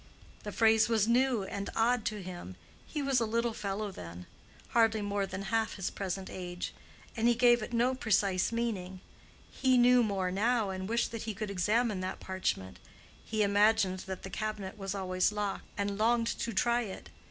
The phrase was new and odd to him—he was a little fellow then—hardly more than half his present age—and he gave it no precise meaning. He knew more now and wished that he could examine that parchment. He imagined that the cabinet was always locked, and longed to try it.